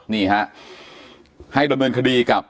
นี่ฮะให้ดำเนินคดีกับ